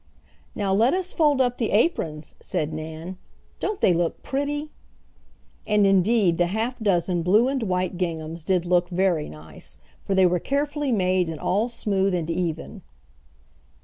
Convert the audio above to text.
"Now let us fold up the aprons," said Nan. "Don't they look pretty?" And indeed the half dozen blue and white ginghams did look very nice, for they were carefully made and all smooth and even.